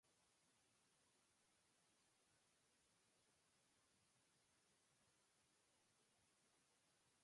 They landed and settled in North Africa, founding the city of Carthage.